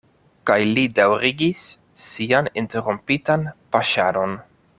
Kaj li daŭrigis sian interrompitan paŝadon.